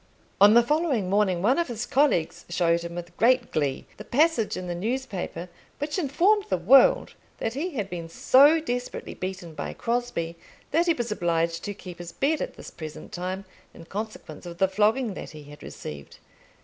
On the following morning one of his colleagues showed him with great glee the passage in the newspaper which informed the world that he had been so desperately beaten by Crosbie that he was obliged to keep his bed at this present time in consequence of the flogging that he had received.